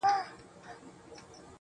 خپل بد حالت یې له ملګرو سره شریک کړی و